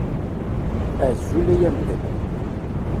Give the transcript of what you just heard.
Azul ay amdakel.